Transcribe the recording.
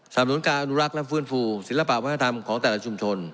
นุนการอนุรักษ์และฟื้นฟูศิลปะวัฒนธรรมของแต่ละชุมชน